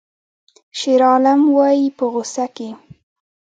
شیرعالم وایی په غوسه کې